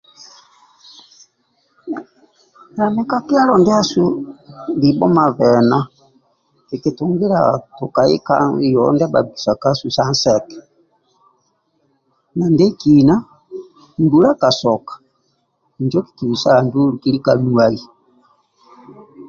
Dhani ka kyalo ndiasu libho mabena kikitungiliaga tukai ka yoho ndia bhabikisa sa nseke ndiekina mbula ka soka injo kikibisaga ndulu kilika nuwai